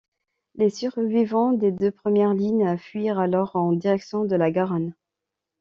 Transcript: Les survivants des deux premières lignes fuirent alors en direction de la Garonne.